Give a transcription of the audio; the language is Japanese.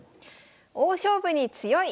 「大勝負に強い！